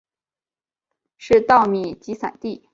是稻米集散地。